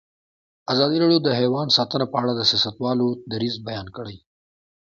ازادي راډیو د حیوان ساتنه په اړه د سیاستوالو دریځ بیان کړی.